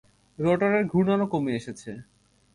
রোটরের ঘূর্ননও কমে এসেছে!